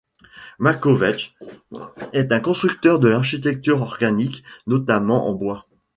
Makovecz est un constructeur de l'architecture organique, notamment en bois.